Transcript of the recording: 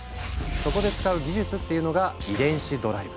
そこで使う技術っていうのが「遺伝子ドライブ」。